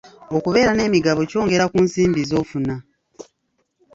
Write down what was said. Okubeera n'emigabo kyongera ku nsimbi z'ofuna.